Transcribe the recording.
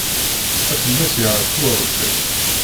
Ad fell-as yaɛfu Rebbi.